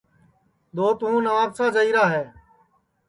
دؔوت ہوں نوابشاہ جائیرا ہے